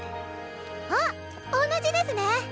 あっ同じデスね。